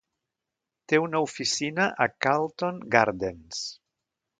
Té una oficina a Carlton Gardens.